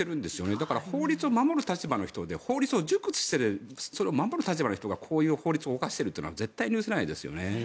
だから法律を守る立場の人で法律を熟知して、守る立場の人がこういう法律を犯しているというのは絶対に許せないですよね。